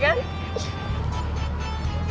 kayaknya gue kan